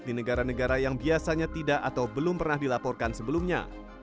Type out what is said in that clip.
di negara negara yang biasanya tidak atau belum pernah dilaporkan sebelumnya